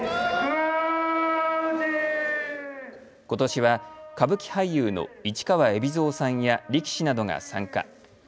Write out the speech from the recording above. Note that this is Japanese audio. ことしは、歌舞伎俳優の市川海老蔵さんや力士などが参加。